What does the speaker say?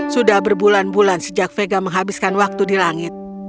sudah berbulan bulan sejak vega menghabiskan waktu di langit